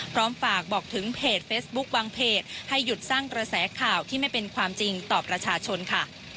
พร้อมฝากบอกถึงเพจเฟซบุ๊คบางเพจให้หยุดสร้างกระแสข่าวที่ไม่เป็นความจริงต่อประชาชนค่ะ